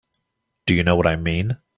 Do you know what I mean?